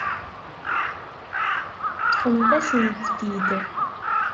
Ṭṭfemt-asent-t-id.